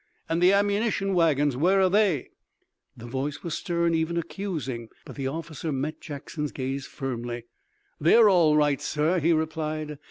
"And the ammunition wagons, where are they?" The voice was stern, even accusing, but the officer met Jackson's gaze firmly. "They are all right, sir," he replied.